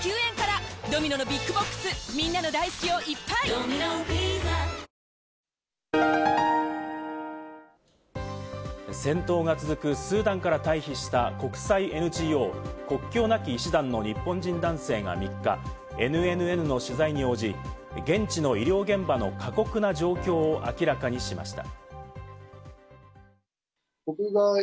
ボルソナロ氏は報道陣に警察に携帯電話を押収されたと明らかにし戦闘が続くスーダンから退避した国際ＮＧＯ・国境なき医師団の日本人男性が３日、ＮＮＮの取材に応じ、現地の医療現場の過酷な状況を明らかにしました。